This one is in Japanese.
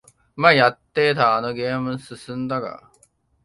前やってたあのゲーム進んだか？